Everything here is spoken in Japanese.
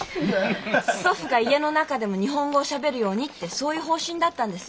祖父が家の中でも日本語をしゃべるようにってそういう方針だったんです。